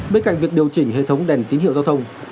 bên cạnh việc điều chỉnh hệ thống đèn tín hiệu giao thông